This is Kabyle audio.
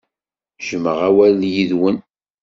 Jjmeɣ awal yid-wen.